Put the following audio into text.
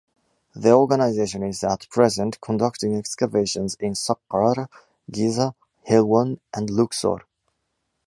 The organization is at present conducting excavations in Saqqarah, Giza, Helwan and Luxor.